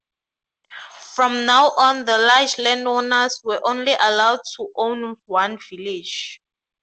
From now on the large landowners were only allowed to own one village.